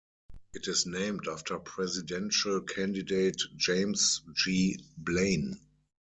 It is named after presidential candidate James G. Blaine.